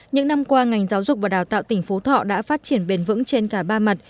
những năm qua ngành giáo dục và đào tạo tỉnh phú thọ đã phát triển bền vững trên cả ba mặt